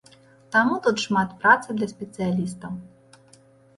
Таму тут шмат працы для спецыялістаў.